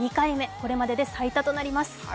これまでで最多となります。